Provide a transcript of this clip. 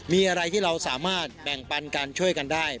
มีอะไรที่เราสามารถแบ่งปันกันช่วยกันได้